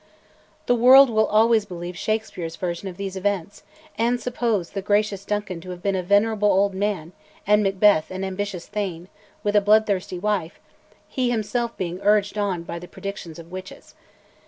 The world will always believe Shakespeare's version of these events, and suppose the gracious Duncan to have been a venerable old man, and Macbeth an ambitious Thane, with a bloodthirsty wife, he himself being urged on by the predictions of witches.